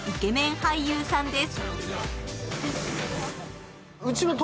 俳優さんです。